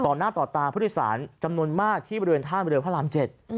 หน้าต่อตาผู้โดยสารจำนวนมากที่บริเวณท่ามเรือพระราม๗